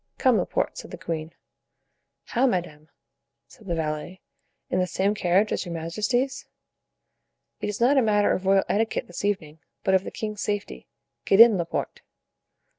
"Come, Laporte," said the queen. "How, madame!" said the valet, "in the same carriage as your majesties?" "It is not a matter of royal etiquette this evening, but of the king's safety. Get in, Laporte."